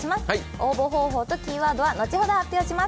応募方法とキーワードは後ほど発表します。